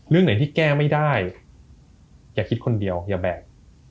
เรื่องไหนที่แก้ไม่ได้อย่าคิดคนเดียวอย่าแบก